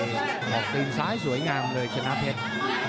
ออกตีนซ้ายสวยงามเลยชนะเพชร